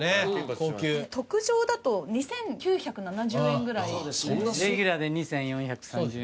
高級特上だと２９７０円ぐらいそうですねレギュラーで２４３０円